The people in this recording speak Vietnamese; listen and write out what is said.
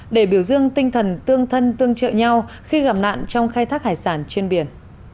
để biểu dương tinh thần tương thân tương trợ nhau khi gặp nạn trong khai thác hải sản trên biển